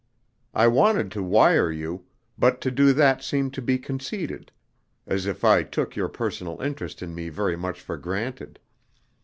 I wanted to wire you; but to do that seemed to be conceited, as if I took your personal interest in me very much for granted.